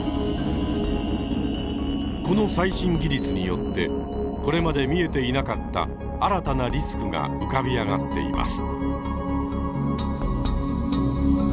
この最新技術によってこれまで見えていなかった新たなリスクが浮かび上がっています。